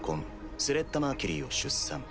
スレッタ・マーキュリーを出産。